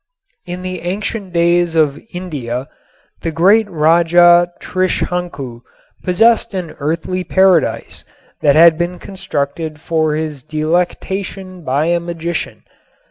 In the ancient days of Ind the great Raja Trishanku possessed an earthly paradise that had been constructed for his delectation by a magician.